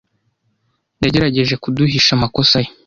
Yagerageje kuduhisha amakosa ye.